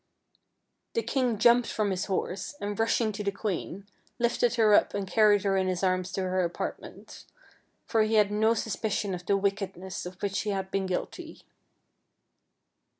The king jumped from his horse, and rushing to the queen, lifted her up and carried her in his arms to her apartments, for he had no sus picion of the wickedness of which she had been guilty.